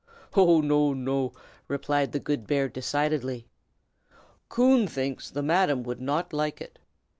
"Oh, no! no!" replied the good bear, decidedly. "Coon thinks the Madam would not like it.